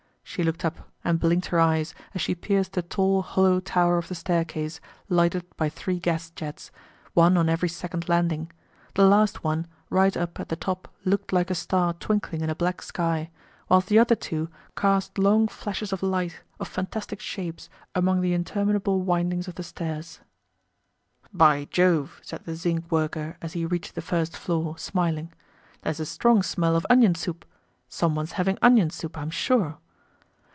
She looked up, and blinked her eyes, as she perceived the tall hollow tower of the staircase, lighted by three gas jets, one on every second landing; the last one, right up at the top looked like a star twinkling in a black sky, whilst the other two cast long flashes of light, of fantastic shapes, among the interminable windings of the stairs. "By Jove!" said the zinc worker as he reached the first floor, smiling, "there's a strong smell of onion soup. Someone's having onion soup, I'm sure."